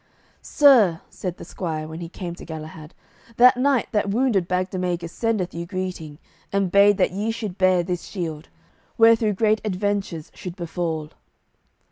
"Sir," said the squire, when he came to Galahad, "that knight that wounded Bagdemagus sendeth you greeting, and bade that ye should bear this shield, wherethrough great adventures should befall."